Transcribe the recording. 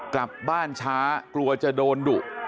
กลับบ้านช้ากลัวจะโดนดุ